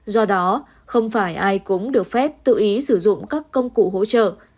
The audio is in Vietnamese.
do đó không phải ai cũng được phép tự ý sử dụng các công cụ hỗ trợ